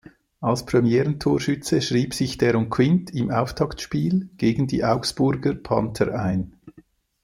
Als Premieren-Torschütze schrieb sich Deron Quint im Auftaktspiel gegen die Augsburger Panther ein.